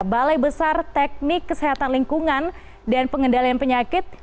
balai besar teknik kesehatan lingkungan dan pengendalian penyakit